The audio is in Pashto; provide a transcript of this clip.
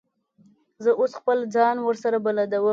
زه اوس خپله ځان ورسره بلدوم.